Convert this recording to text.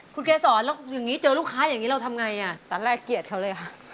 คุณเกษรแล้วอย่างนี้เจอลูกค้าอย่างนี้เราทำไงอ่ะตอนแรกเกลียดเขาเลยค่ะ